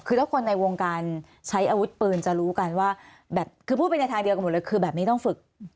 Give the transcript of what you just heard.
คือถ้าคนในวงการใช้อาวุธปืนจะรู้กันว่าแบบคือพูดไปในทางเดียวกันหมดเลยคือแบบนี้ต้องฝึก